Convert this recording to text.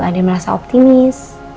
kalau bu andin merasa optimis